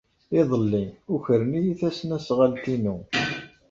Iḍelli, ukren-iyi tasnasɣalt-inu.